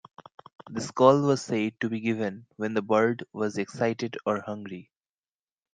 This call was said to be given when the bird was excited or hungry.